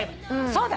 そうだ。